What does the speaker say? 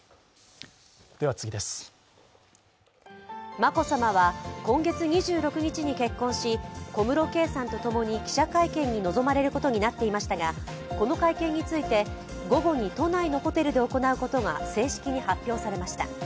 眞子さまは今月２６日に結婚し小室圭さんと共に記者会見に臨まれることになっていましたがこの会見について午後に都内のホテルで行うことが正式に発表されました。